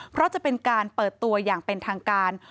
เพราะจะเป็นการเปิดตัวอย่างเป็นทางการ